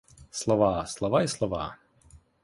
Слова, слова й слова.